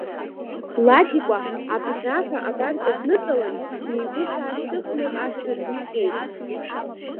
Ладикәа абӷьааҳәа абарҵа дныҵалан, иеигәышә аашьҭыхны ашҭа дҩыҭҟьеит.